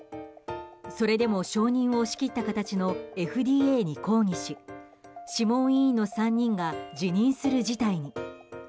それでも承認を押し切った形のＦＤＡに抗議し諮問委員の３人が辞任する事態に。